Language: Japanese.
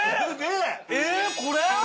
ええっこれ？